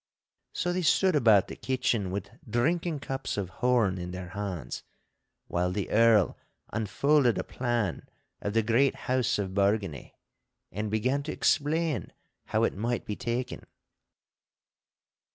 So they stood about the kitchen with drinking cups of horn in their hands, while the Earl unfolded a plan of the great house of Bargany, and began to explain how it might be taken.